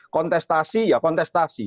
kontestasi ya kontestasi